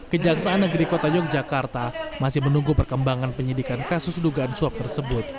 kepala yogyakarta masih menunggu perkembangan penyidikan kasus dugaan swab tersebut